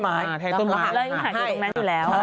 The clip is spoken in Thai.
มันก็อยู่ต้นไม้อยู่แล้ว